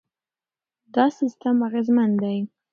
دا سیستم اغېزمن دی.